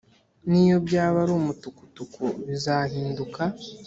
niyo byaba ari umutuku tukutuku bizahinduka.